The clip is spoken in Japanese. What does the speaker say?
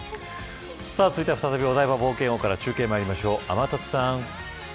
続いては再びお台場冒険王から中継まいりましょう、天達さん。